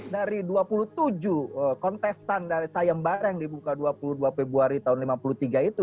dari dua puluh tujuh kontestan dari sayembara yang dibuka dua puluh dua februari tahun seribu sembilan ratus lima puluh tiga itu